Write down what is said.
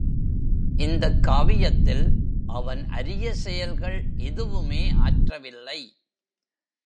இந்தக் காவியத்தில் அவன் அரிய செயல்கள் எதுவுமே ஆற்றவில்லை.